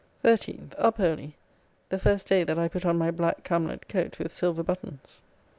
13th. Up early, the first day that I put on my black camlett coat with silver buttons.